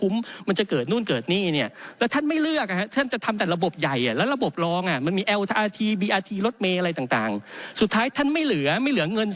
ไปปรับปรุงการเชื่อมต่อ